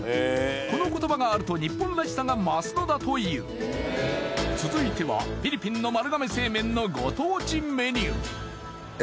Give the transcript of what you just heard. この言葉があると日本らしさが増すのだという続いてはフィリピンの丸亀製麺のご当地メニューええ